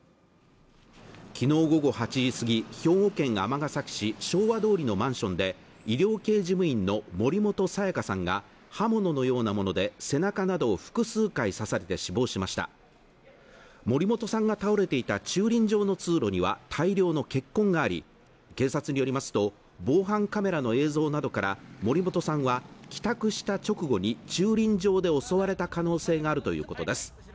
昨日午後８時過ぎ兵庫県尼崎市昭和通のマンションで医療系事務員の森本彩加さんが刃物のようなもので背中などを複数回刺されて死亡しました森本さんが倒れていた駐輪場の通路には大量の血痕があり警察によりますと防犯カメラの映像などから森本さんは帰宅した直後に駐輪場で襲われた可能性があるということです